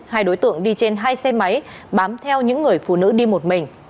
hai đối tượng đi trên hai xe máy bám theo những người phụ nữ đi một mình